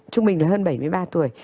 trung bình là hơn bảy mươi ba tuổi